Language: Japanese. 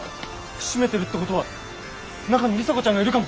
閉めてるってことは中に里紗子ちゃんがいるかも。